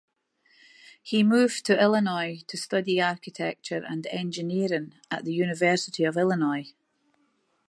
He moved to Illinois to study architecture and engineering at the University of Illinois.